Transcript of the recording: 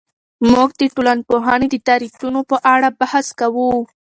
موږ د ټولنپوهنې د تعریفونو په اړه بحث کوو.